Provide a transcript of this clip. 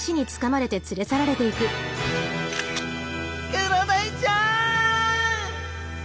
クロダイちゃん！